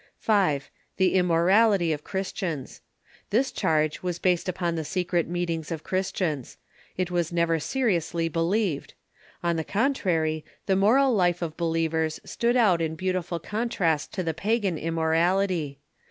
5. The immorality of Christians. This charge was based upon the secret meetings of Christians. It was never serious ly believed. On the contrary, the moral life of believers stood out in beautiful contrast to the pagan immorality.